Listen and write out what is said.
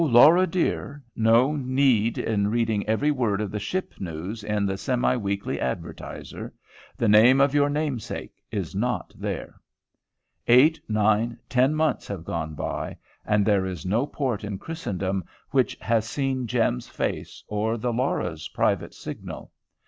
Laura dear, no need in reading every word of the ship news in the "Semi weekly Advertiser;" the name of your namesake is not there. Eight, nine, ten months have gone by, and there is no port in Christendom which has seen Jem's face, or the Laura's private signal.